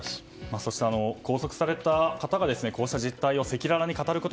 そして拘束された方がこうした実態を赤裸々に語ること